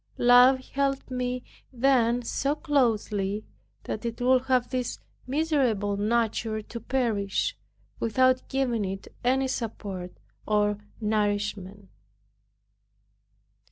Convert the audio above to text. Love held me then so closely, that it would have this miserable nature to perish, without giving it any support or nourishment.